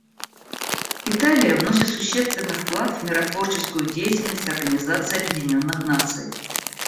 Италия вносит существенный вклад в миротворческую деятельность Организации Объединенных Наций.